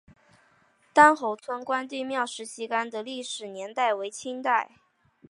单侯村关帝庙石旗杆的历史年代为清代。